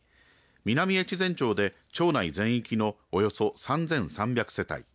南越前町で町内全域のおよそ３３００世帯